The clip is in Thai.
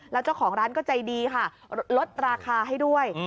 แล้วเจ้าของร้านก็ใจดีค่ะลดราคาให้ด้วย